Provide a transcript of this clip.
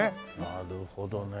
なるほどね。